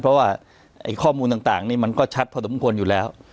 เพราะว่าข้อมูลต่างนี่มันก็ชัดพอสมควรอยู่แล้ว